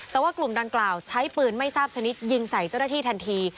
แต่ว่ากลุ่มดังกล่าวใช้ปืนไม่ทราบชนิดยิงใส่เจ้าหน้าที่ทันที